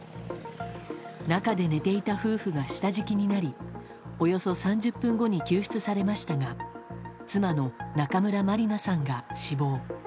中で寝ていた夫婦が下敷きになりおよそ３０分後に救出されましたが妻の中村まりなさんが死亡。